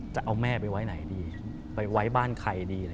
จะเอาแม่ไปไว้ไหนดีไปไว้บ้านใครดีล่ะ